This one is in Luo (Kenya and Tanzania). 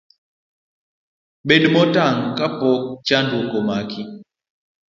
Bed motang' kapok chandruok omaki.